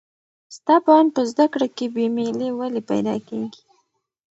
ستا په اند په زده کړه کې بې میلي ولې پیدا کېږي؟